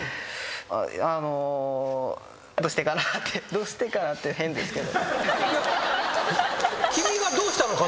どうしてかなって変ですけど。